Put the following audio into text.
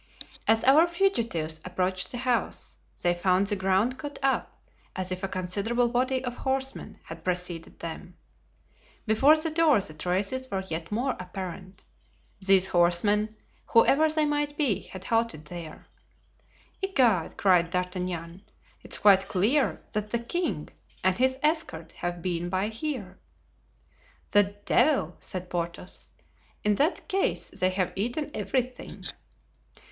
As our fugitives approached the house, they found the ground cut up, as if a considerable body of horsemen had preceded them. Before the door the traces were yet more apparent; these horsemen, whoever they might be, had halted there. "Egad!" cried D'Artagnan, "it's quite clear that the king and his escort have been by here." "The devil!" said Porthos; "in that case they have eaten everything."